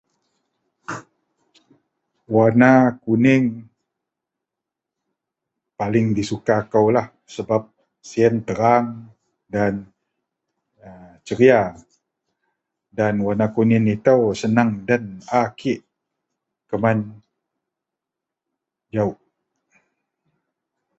Warna kuning paling disuka koulah sebab siyen terang dan a ceria dan warna kuning itou seneng den a kik keman jawuk.